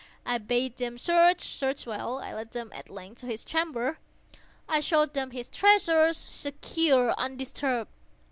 I bade them search—search well. I led them, at length, to his chamber. I showed them his treasures, secure, undisturbed.